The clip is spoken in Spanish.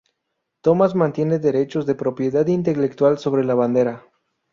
Thomas mantiene derechos de propiedad intelectual sobre la bandera.